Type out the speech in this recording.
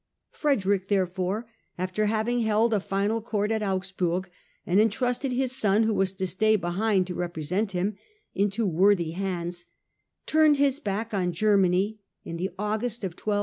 Frederick, therefore, after having THE ADVENTURE AND THE GOAL 55 held a final Court at Augsburg and entrusted his son, who was to stay behind to represent him, into worthy hands, turned his back on Germany in the August of 1220.